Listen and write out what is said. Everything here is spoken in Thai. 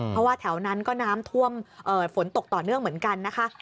เพราะว่าแถวนั้นก็น้ำท่วมฝนตกต่อเนื่องเหมือนกันนะคะ